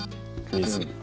水。